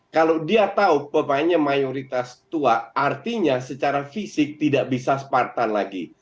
kalau dia tahu pemainnya mayoritas tua artinya secara fisik tidak bisa spartan lagi